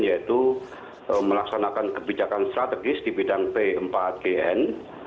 yaitu melaksanakan kebijakan strategis di bidang p empat gn